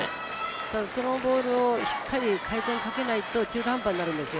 ただそのボールをしっかり回転をかけないと中途半端になるんですよ。